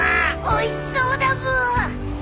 おいしそうだブー。